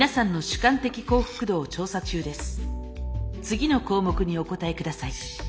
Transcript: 次の項目にお答えください。